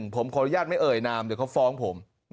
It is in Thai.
ผมขออนุญาตไม่เอ่ยนามเดี๋ยวเขาฟ้องผม